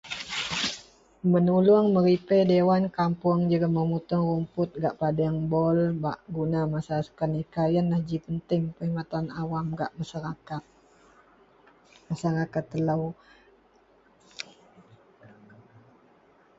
. menulung merepair dewan kapoung jegum memutung ruput gak padang bol bak guna masa sukaneka ienlah ji penting perkhidmatan awam gak masyarakat, masyarakat telou